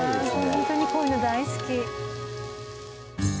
ホントにこういうの大好き。